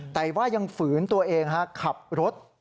แต่ว่ายังฝืนตัวเองขับรถ